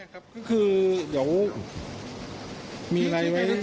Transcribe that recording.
คือเดี๋ยวมีอะไรไว้